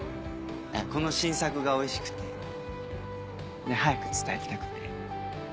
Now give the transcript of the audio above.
この新作がおいしくて早く伝えたくて。